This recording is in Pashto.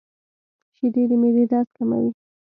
• شیدې د معدې درد کموي.